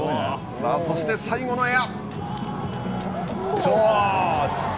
さあそして、最後のエア。